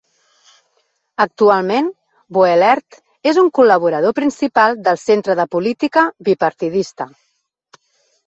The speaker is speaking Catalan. Actualment Boehlert és un col·laborador principal del Centre de Política Bipartidista.